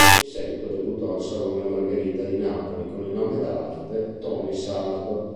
In seguito debuttò al Salone Margherita di Napoli con il nome d’arte "Tony Sardo".